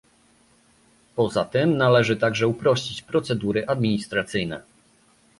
Poza tym należy także uprościć procedury administracyjne